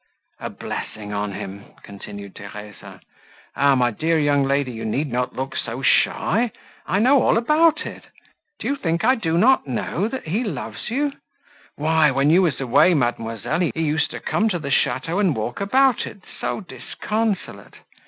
"A blessing on him!" continued Theresa. "Ah, my dear young lady, you need not look so shy; I know all about it. Do you think I do not know, that he loves you? Why, when you were away, mademoiselle, he used to come to the château and walk about it, so disconsolate!